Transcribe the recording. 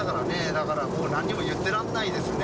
だから、何も言ってられないですね。